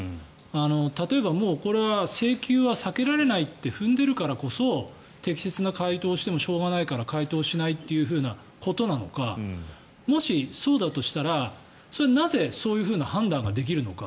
例えば、これは請求は避けられないって踏んでいるからこそ適切な回答をしてもしょうがないから回答しないということなのかもし、そうだとしたらなぜそういう判断ができるのか。